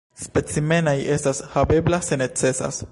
Specimenaj estas havebla se necesas.